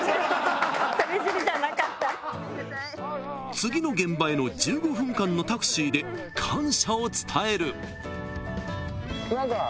［次の現場への１５分間のタクシーで感謝を伝える］